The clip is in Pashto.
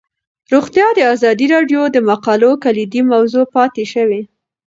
روغتیا د ازادي راډیو د مقالو کلیدي موضوع پاتې شوی.